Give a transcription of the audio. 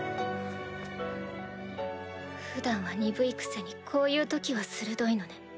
普段は鈍いくせにこういう時は鋭いのね。